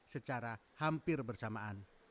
secara hampir bersamaan